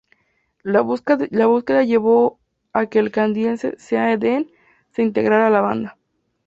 La búsqueda llevó a que el canadiense Sean Eden se integrara a la banda.